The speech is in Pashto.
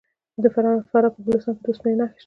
د فراه په ګلستان کې د وسپنې نښې شته.